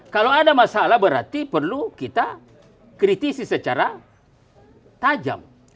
kalau ada masalah berarti perlu kita kritisi secara tajam